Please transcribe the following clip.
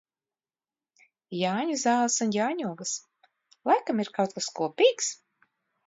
Jāņu zāles un jāņogas. Laikam ir kaut kas kopīgs?